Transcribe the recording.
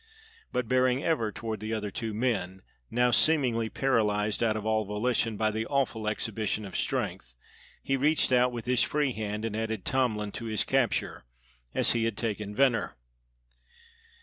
But bearing ever toward the other two men, now seemingly paralyzed out of all volition by the awful exhibition of strength, he reached out with his free hand and added Tomlin to his capture as he had taken Venner.